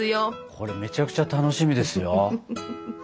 これめちゃくちゃ楽しみですよ。